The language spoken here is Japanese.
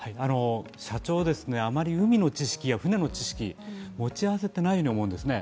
社長、あまり海の知識や船の知識、持ち合わせていないと思うんですね。